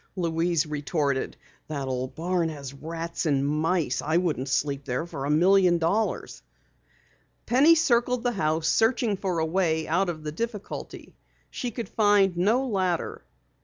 Louise retorted. "That old barn has rats and mice. I wouldn't sleep there for a million dollars." Penny circled the house, searching for a way out of the difficulty. She could find no ladder.